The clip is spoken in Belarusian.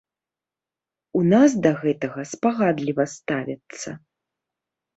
У нас да гэтага спагадліва ставяцца.